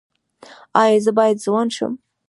ایا زه باید ځوان شم؟